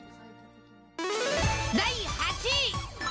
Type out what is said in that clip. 第８位。